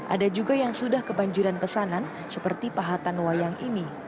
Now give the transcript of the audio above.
ada juga yang sudah kebanjiran pesanan seperti pahatan wayang ini